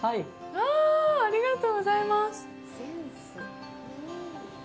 うわぁ、ありがとうございます！